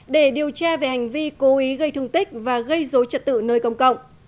để điều tra về hành vi cố ý gây thương tích và gây dối trật tự nơi công cộng